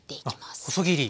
あ細切り。